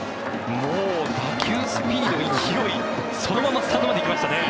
もう打球スピード、勢いそのままスタンドまで行きましたね。